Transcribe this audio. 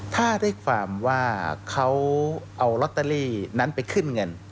ถ้าได้ความว่าเขาเอาลอตเตอรี่นั้นไปขึ้นเงิน